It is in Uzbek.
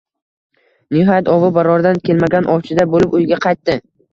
Nihoyat, ovi baroridan kelmagan ovchiday bo‘lib uyga qaytdi